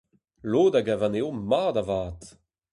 Lod a gav anezho mat avat !